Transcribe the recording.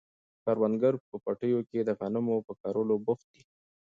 کروندګر په پټیو کې د غنمو په کرلو بوخت دي.